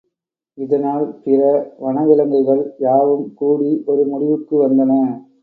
இதனால் பிற வனவிலங்குகள் யாவும் கூடி ஒரு முடிவுக்கு வந்தன.